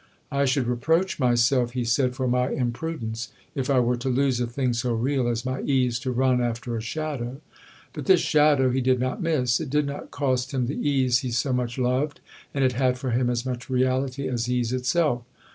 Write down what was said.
"I should reproach myself," he said, "for my imprudence, if I were to lose a thing so real as my ease to run after a shadow." But this shadow he did not miss: it did not cost him the ease he so much loved, and it had for him as much reality as ease itself.